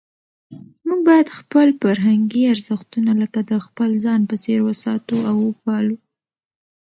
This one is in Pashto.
موږ باید خپل فرهنګي ارزښتونه لکه د خپل ځان په څېر وساتو او وپالو.